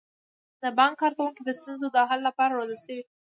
د بانک کارکوونکي د ستونزو د حل لپاره روزل شوي.